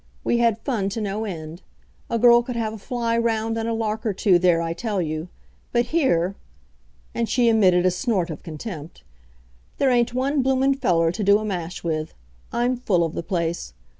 We had fun to no end. A girl could have a fly round and a lark or two there I tell you; but here," and she emitted a snort of contempt, "there ain't one bloomin' feller to do a mash with. I'm full of the place.